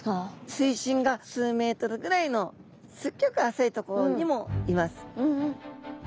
水深が数ｍぐらいのすっギョく浅い所にもいます。